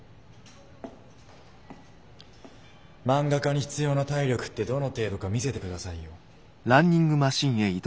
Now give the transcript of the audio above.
漫画家に必要な体力ってどの程度か見せてくださいよ。